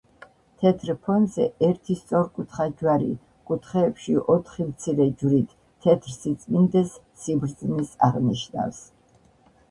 თეთრ ფონზე ერთი სწორკუთხა ჯვარი კუთხეებში ოთხი მცირე ჯვრით თეთრ სიწმინდეს სიბრძნეს აღნიშვნას